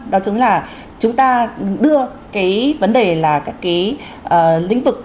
đó chính là chúng ta đưa cái vấn đề là các cái lĩnh vực